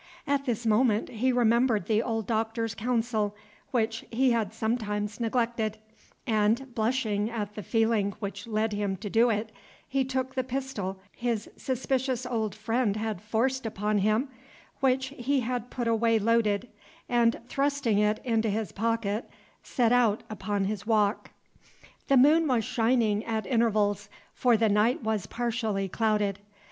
At this moment he remembered the old Doctor's counsel, which he had sometimes neglected, and, blushing at the feeling which led him to do it, he took the pistol his suspicious old friend had forced upon him, which he had put away loaded, and, thrusting it into his pocket, set out upon his walk. The moon was shining at intervals, for the night was partially clouded.